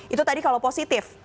itu tadi kalau positif